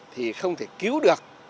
thì không thể cứu được